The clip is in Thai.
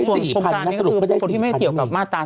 ส่วน๔๐๐๐นี่ก็คือคนที่ไม่เกี่ยวกับมาตรา๓๓